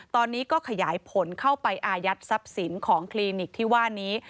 ตอนนี้ก็ขยายผลเข้าไปอายัดทรัพย์สินของคลินิกที่ว่านี้